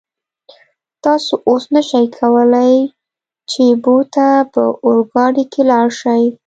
تاسو اوس نشئ کولای چې بو ته په اورګاډي کې لاړ شئ.